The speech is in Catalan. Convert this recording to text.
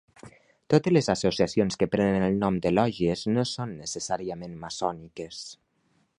Totes les associacions que prenen el nom de lògies no són necessàriament maçòniques.